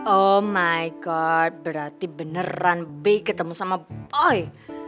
oh my god berarti beneran be ketemu sama boy